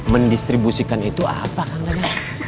mendistribusikan itu apa kang dan